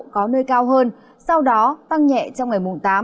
có nơi cao hơn sau đó tăng nhẹ trong ngày mùng tám